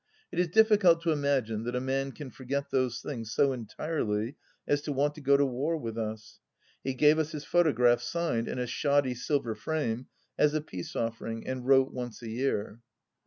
It is difficult to imagine that a man can forget those things so entirely as to want to go to war with us. He gave us his photograph, signed, in a shoddy silver frame, as a peace offering and wrote once a year.